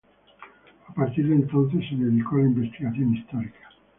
A partir de entonces se dedicó a la investigación histórica.